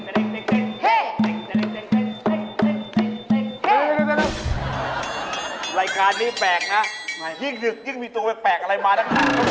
รายการนี้แปลกนะยิ่งหึกยิ่งมีตัวแปลกอะไรมานะ